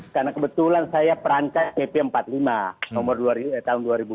karena kebetulan saya perancas pp empat puluh lima tahun dua ribu lima